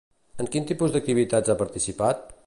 En quin tipus d'activitats ha participat?